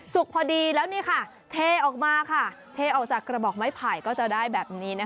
พอดีแล้วนี่ค่ะเทออกมาค่ะเทออกจากกระบอกไม้ไผ่ก็จะได้แบบนี้นะคะ